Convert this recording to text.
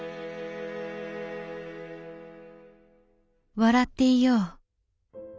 「笑っていよう。